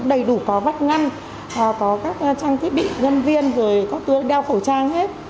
đầy đủ có vách ngăn có các trang thiết bị nhân viên rồi có tướng đeo khẩu trang hết